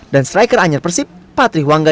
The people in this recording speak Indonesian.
dan striker anyar persib patri wangga